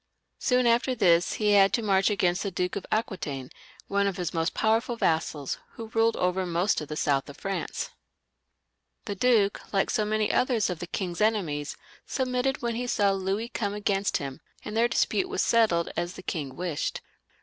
Soon after this they had to march against the Duke of Aquitaine, one of his most powerful vassals, who ruled over most of the south of Franca The duke, like so many others of the king's enemies, submitted when he saw Louis come against him, and their dispute was settled as the king wished.